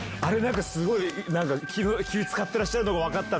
すごい気を使ってらっしゃるのが分かった。